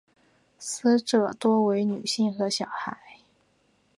死者多为女性和小孩。